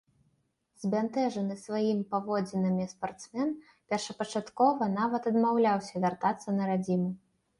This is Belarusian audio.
Збянтэжаны сваім паводзінамі спартсмен, першапачаткова, нават адмаўляўся вяртацца на радзіму.